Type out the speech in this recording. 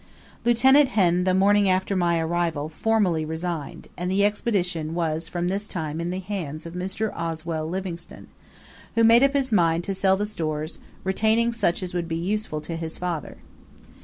Lieut. Henn the morning after my arrival formally resigned, and the Expedition was from this time in the hands of Mr. Oswell Livingstone, who made up his mind to sell the stores, retaining such as would be useful to his father.